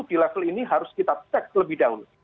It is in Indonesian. di level ini harus kita cek lebih dahulu